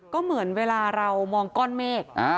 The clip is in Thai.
ก็เหมือนเวลาเรามองก้อนเมฆ